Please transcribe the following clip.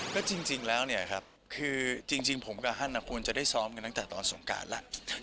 ก็จริงแล้วเนี่ยครับคือจริงผมกับท่านควรจะได้ซ้อมกันตั้งแต่ตอนสงการแล้ว